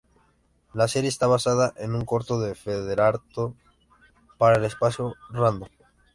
La serie está basada en un corto de Frederator para el espacio Random!